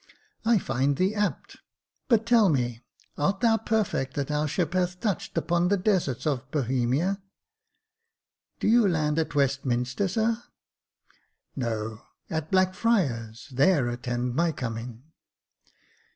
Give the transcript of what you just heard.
"I find thee apt; but tell me, art thou perfect that our ship hath touched upon the deserts of Bohemia .?"" Do you land at Westminster, sir ?" 26o Jacob Faithful " No ; at Blackfriars — there attend my coming.